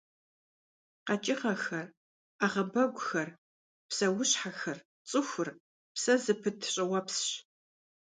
КъэкӀыгъэхэр, Ӏэгъэбэгухэр, псэущхьэхэр, цӀыхур – псэ зыпыт щӀыуэпсщ.